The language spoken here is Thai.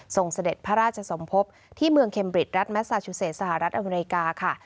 เสด็จพระราชสมภพที่เมืองเคมบริดรัฐแมสซาชูเซสหรัฐอเมริกาค่ะ